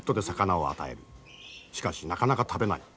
しかしなかなか食べない。